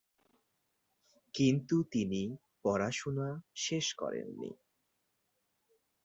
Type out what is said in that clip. কিন্তু তিনি পড়াশোনা শেষ করেননি।